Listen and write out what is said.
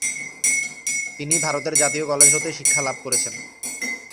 তিনি ভারতের জাতীয় কলেজ হতে শিক্ষা লাভ করেছেন।